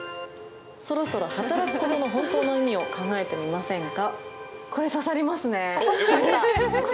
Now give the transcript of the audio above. そろそろ働くことの本当の意味を考えてみませんか。